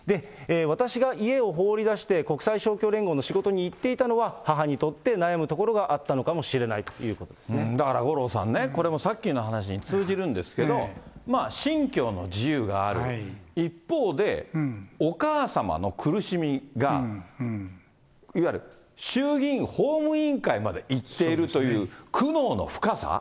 私が家を放り出して国際勝共連合の仕事に行っていたのは、母にとって悩むところがあったのかもしだから五郎さんね、これもさっきの話に通じるんですけれども、信教の自由がある、一方で、お母さまの苦しみが、いわゆる衆議院法務委員会までいっているという苦悩の深さ。